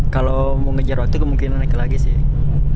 kalau mau ngejar waktu kemungkinan naik lagi sih